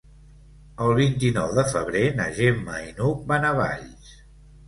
El vint-i-nou de febrer na Gemma i n'Hug van a Valls.